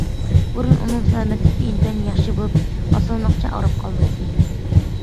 بۇرۇن ئۇنىڭ سالامەتلىكى ئىنتايىن ياخشى بولۇپ ئاسانلىقچە ئاغرىپ قالمايتتى.